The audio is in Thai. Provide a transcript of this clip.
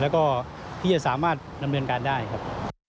แล้วก็ที่จะสามารถดำเนินการได้ครับ